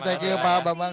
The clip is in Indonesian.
terima kasih bang bang